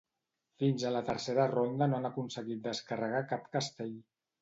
Fins a la tercera ronda no han aconseguit descarregar cap castell.